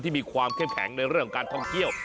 มีความเข้มแข็งในเรื่องของการท่องเที่ยว